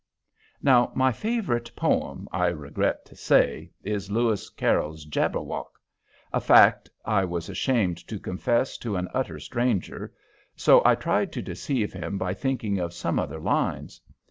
Now my favorite poem, I regret to say, is Lewis Carroll's "Jabberwock," a fact I was ashamed to confess to an utter stranger, so I tried to deceive him by thinking of some other lines.